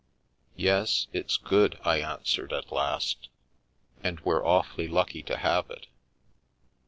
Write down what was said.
" Yes, it's good," I answered, at last, " and we're awfully lucky to have it.